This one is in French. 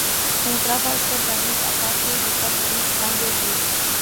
Son travail s'organise à partir de cet unique point de vue.